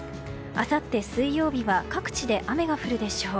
あさって水曜日は各地で雨が降るでしょう。